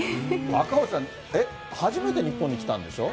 赤星さん、初めて日本に来たんでしょ？